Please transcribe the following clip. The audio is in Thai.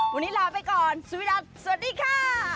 วันนี้ลาไปก่อนสวัสดีค่ะ